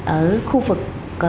ở khu vực